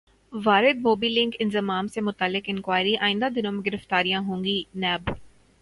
واردموبی لنک انضمام سے متعلق انکوائری ئندہ دنوں میں گرفتاریاں ہوں گی نیب